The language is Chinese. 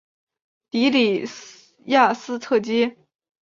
的里雅斯特街。